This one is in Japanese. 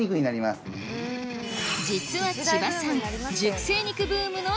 実は千葉さん